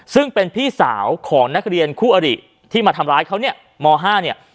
ซึ่งเป็นพี่สาวของนักเรียนคู่อริที่มาทำร้ายเขาเนี่ยม๕เนี่ย